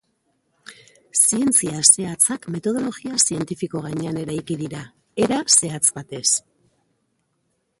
Zientzia zehatzak metodologia zientifiko gainean eraiki dira, era zehatz batez.